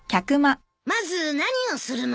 まず何をするの？